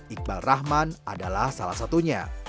iqbal rahman adalah salah satunya